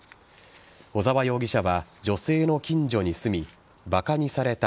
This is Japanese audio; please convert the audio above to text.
小沢容疑者は女性の近所に住みバカにされた。